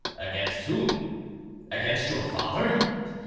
—against whom?—against your father?